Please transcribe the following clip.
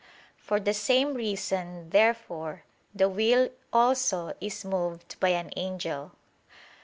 For the same reason, therefore, the will also is moved by an angel.